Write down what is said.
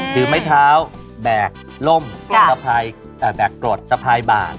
ถือไม้เท้าแบกล่มแบกกรดสะพายบ่าน